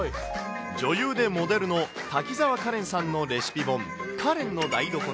女優でモデルの滝沢カレンさんのレシピ本、カレンの台所。